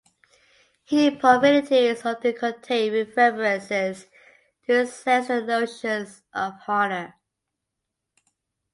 Hindi profanities often contain references to incest and notions of honor.